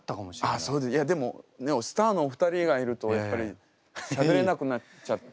いやでもスターのお二人がいるとやっぱりしゃべれなくなっちゃってて。